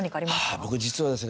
僕、実はですね